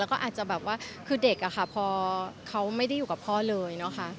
แล้วก็อาจจะแบบว่าคือเด็กอะค่ะพอเขาไม่ได้อยู่กับพ่อเลยนะคะ